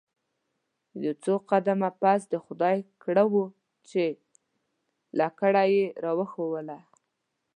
یو څو قدمه پس د خدای کړه وو چې لکړه یې راوښوروله.